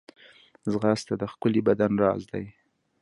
ځغاسته د ښکلي بدن راز دی